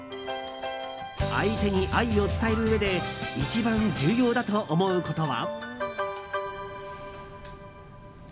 相手に愛を伝えるうえで一番重要だと思うことは？